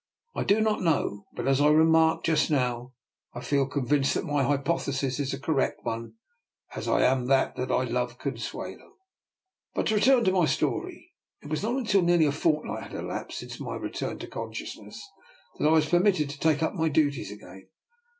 I do not know, but as I remarked just now, I feel convinced that my hypothesis is a correct one as I am that I love Consuelo. 264 ^R NIKOLA'S EXPERIMENT. But to return to my story. It was not until nearly a fortnight had elapsed, since my re turn to consciousness, that I was permitted to take up my duties again.